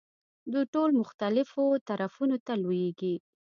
دوی ټول مختلفو طرفونو ته لویېږي.